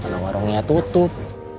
tentang warungnya tutup